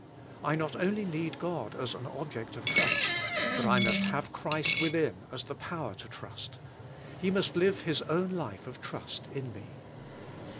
I not only need God as an object of trust, but I must have Christ within as the power to trust; He must live His own life of trust in me.